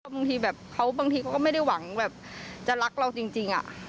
บางทีเขาก็ไม่ได้หวังจะรักเราจริง